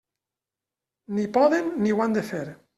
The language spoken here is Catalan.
Ni poden ni ho han de fer.